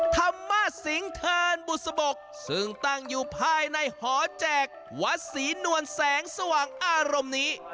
ธรรมสิงเทินบุษบกซึ่งตั้งอยู่ภายในหอแจกวัดศรีนวลแสงสว่างอารมณ์นี้